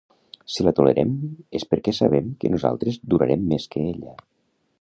Si la tolerem, és perquè sabem que nosaltres durarem més que ella.